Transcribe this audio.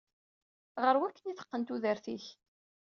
Ɣer wakken i teqqen tudert-ik.